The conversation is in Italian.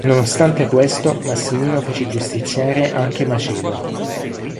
Nonostante questo, Massimino fece giustiziare anche Macedo.